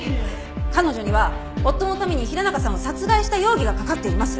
彼女には夫のために平中さんを殺害した容疑がかかっています。